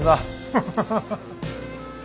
ハハハハ。